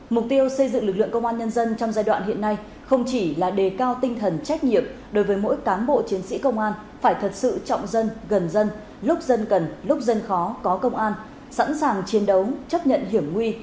mục tiêu xây dựng lực lượng công an nhân dân trong giai đoạn hiện nay không chỉ là đề cao tinh thần trách nhiệm đối với mỗi cán bộ chiến sĩ công an phải thật sự trọng dân gần dân lúc dân cần lúc dân khó có công an sẵn sàng chiến đấu chấp nhận hiểm nguy